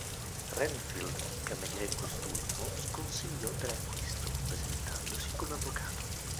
Renfield, cameriere di quest'ultimo, sconsigliò tale acquisto, presentandosi come avvocato.